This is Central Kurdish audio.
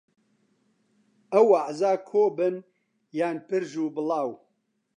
ئەو ئەعزا کۆبن یا پرژ و بڵاو